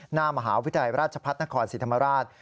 หน้ามหาวิทยาลัยราชพัฒนครศรีธรรมราช